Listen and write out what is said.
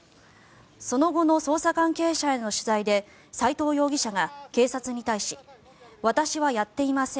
その後の捜査関係者への取材で斎藤容疑者が警察に対し私はやっていません